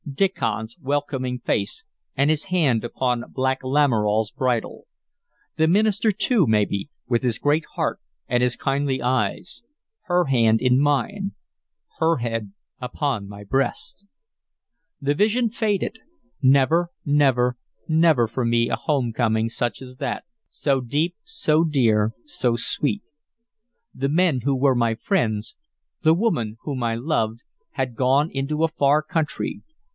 Diccon's welcoming face, and his hand upon Black Lamoral's bridle; the minister, too, maybe, with his great heart and his kindly eyes; her hand in mine, her head upon my breast The vision faded. Never, never, never for me a home coming such as that, so deep, so dear, so sweet. The men who were my friends, the woman whom I loved, had gone into a far country.